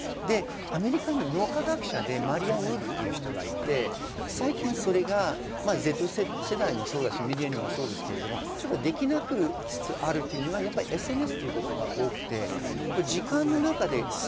アメリカに脳科学者でマリアン・ウルフという人がいて、最近それがＺ世代もそうだし、ミレニアムもそうだし、できなくなりつつあるというのはＳＮＳということが多いんです。